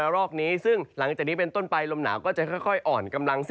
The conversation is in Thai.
รอบนี้ซึ่งหลังจากนี้เป็นต้นไปลมหนาวก็จะค่อยอ่อนกำลัง